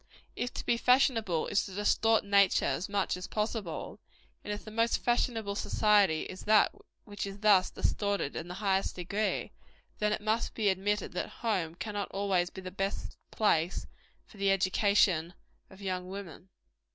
If to be fashionable is to distort nature as much as possible and if the most fashionable society is that which is thus distorted in the highest degree then it must be admitted that home cannot always be the best place for the education of young women.